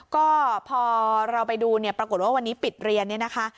ก็พอเราไปดูเนี่ยปรากฏว่าวันนี้ปิดเรียนเนี่ยนะคะ